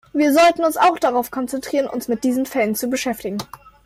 Wir sollten uns auch darauf konzentrieren, uns mit diesen Fällen zu beschäftigen.